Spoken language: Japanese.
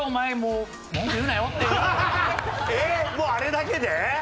もうあれだけで？